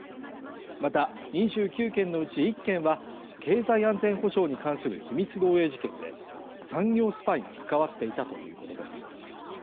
また、２９件のうち１件は、経済安全保障に関する秘密漏えい事件で、産業スパイが関わっていたということです。